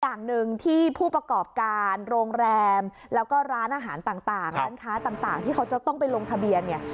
อย่างหนึ่งที่ผู้ประกอบการโรงแรมแล้วก็ร้านอาหารต่างที่เขาจะต้องไปลงทะเบียน